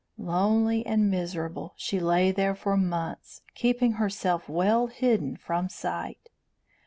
Lonely and miserable, she lay there for months, keeping herself well hidden from sight.